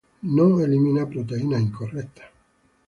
No elimina proteínas "incorrectas".